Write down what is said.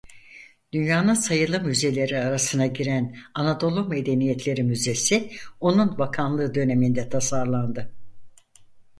Dünyanın sayılı müzeleri arasına giren Anadolu Medeniyetleri Müzesi onun bakanlığı döneminde tasarlandı.